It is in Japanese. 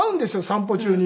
散歩中に。